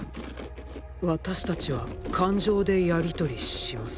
わたしたちは感情でやりとりします。